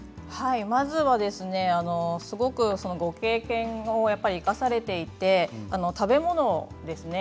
まずは、すごくご経験を生かされていて食べ物ですね